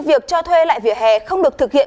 việc cho thuê lại vỉa hè không được thực hiện